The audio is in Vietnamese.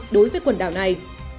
đối với quần đảo này